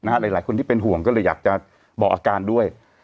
หลายคนที่เป็นห่วงก็เลยอยากจะบอกอาการด้วย